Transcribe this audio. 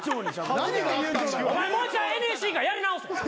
お前もう一回ＮＳＣからやり直せ。